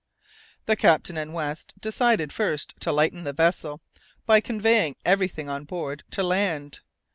The captain and West decided first to lighten the vessel, by conveying everything on board to land.